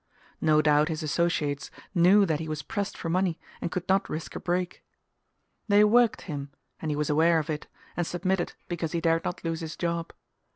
No doubt his associates knew that he was pressed for money and could not risk a break. They "worked" him, and he was aware of it, and submitted because he dared not lose his job.